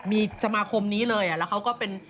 มีสมาคมนี้เลยแล้วเขาก็เป็น